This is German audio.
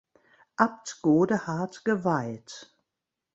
Abt Godehard geweiht.